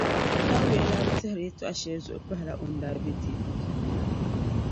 Tawia daa bi tɛhiri yɛltɔɣʼ shɛli zuɣu m-pahila o ni daa be teeku puuni la.